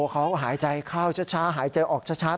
เขาหายใจเข้าช้าหายใจออกชัด